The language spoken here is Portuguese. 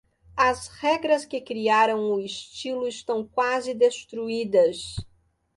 As regras que criaram o estilo estão quase destruídas.